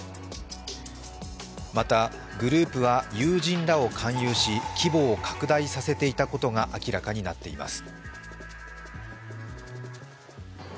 また、グループは友人らを勧誘し規模を拡大させていたことが明らかになっています。